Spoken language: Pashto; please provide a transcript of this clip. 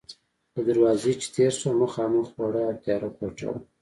له دروازې چې تېر شوم، مخامخ وړه او تیاره کوټه وه.